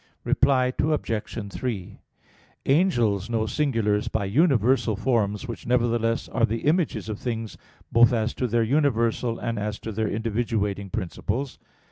Reply Obj. 3: Angels know singulars by universal forms, which nevertheless are the images of things both as to their universal, and as to their individuating principles.